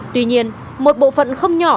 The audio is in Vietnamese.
tuy nhiên một bộ phận không nhỏ